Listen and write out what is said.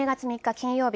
金曜日